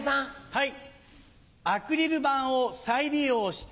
はい。